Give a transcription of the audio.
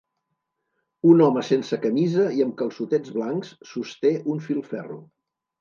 Un home sense camisa i amb calçotets blancs sosté un filferro.